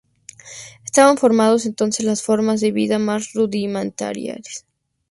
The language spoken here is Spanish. Estaban formadas entonces las formas de vida más rudimentarias.